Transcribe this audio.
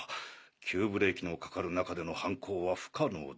急ブレーキのかかる中での犯行は不可能だ。